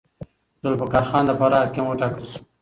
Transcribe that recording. ذوالفقار خان د فراه حاکم وټاکل شو.